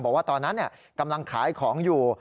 บอกว่าตอนนั้นกำลังขายของอยู่